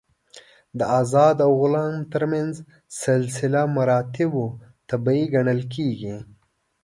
د آزاد او غلام تر منځ سلسله مراتبو طبیعي ګڼل کېږي.